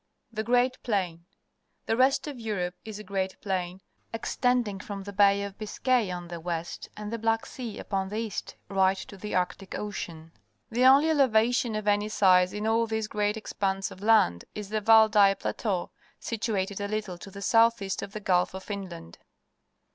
The Great Plain. — The rest of Europe is a great plain, extending from the Bay of Biscay on the west and the Black Sea upon the east right to the Arctic Ocean. The only eleva tion of any size in all this great expanse of land is the Valdai Plateau, situated a little to EUROPE 165 the south east of the Gulf of Finland.